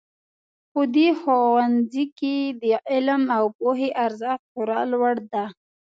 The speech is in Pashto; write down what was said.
په دې ښوونځي کې د علم او پوهې ارزښت خورا لوړ ده